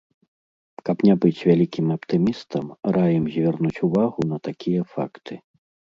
Каб не быць вялікім аптымістам, раім звярнуць увагу на такія факты.